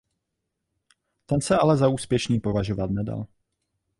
Ten se ale za úspěšný považovat nedal.